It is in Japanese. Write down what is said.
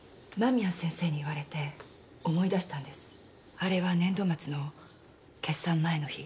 あれは年度末の決算前の日。